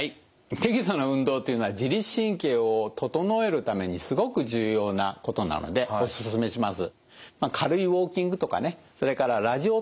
適度な運動というのは自律神経を整えるためにすごく重要なことなのでお勧めします。